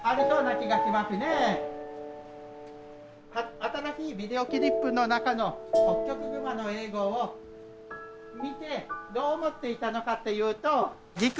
新しいビデオクリップの中のホッキョクグマの映像を見てどう思っていたのかというと。